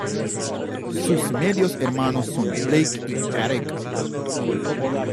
Sus medio-hermanos son Blake, y Eric.